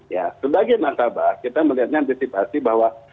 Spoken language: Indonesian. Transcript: jadi sebagai nasabah kita melihatnya antisipasi bahwa